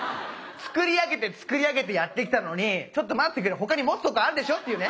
作り上げて作り上げてやってきたのにちょっと待ってくれ他に持つとこあるでしょっていうね。